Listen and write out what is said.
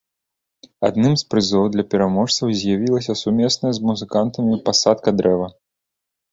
Адным з прызоў для пераможцаў з'явілася сумесная з музыкантамі пасадка дрэва.